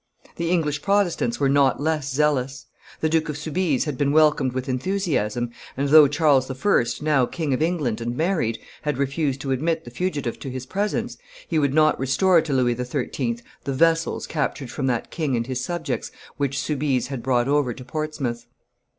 The English Protestants were not less zealous; the Duke of Soubise had been welcomed with enthusiasm, and, though Charles I., now King of England and married, had refused to admit the fugitive to his presence, he would not restore to Louis XIII. the vessels, captured from that king and his subjects, which Soubise had brought over to Portsmouth.